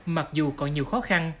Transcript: mặc dù còn nhiều khó khăn